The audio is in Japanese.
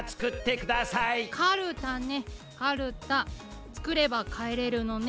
かるたねかるたつくればかえれるのね。